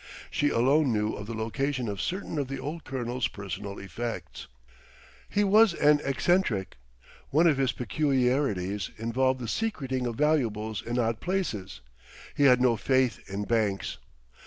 She alone knew of the location of certain of the old colonel's personal effects." "He was an eccentric. One of his peculiarities involved the secreting of valuables in odd places; he had no faith in banks.